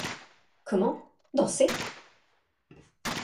Comment, danser ?